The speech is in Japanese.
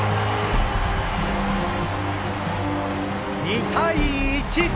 ２対１。